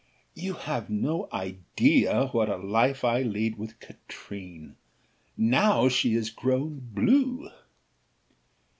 "You have no idea what a life I lead with Katrine now she is grown blue."